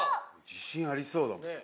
自信ありそうだもん。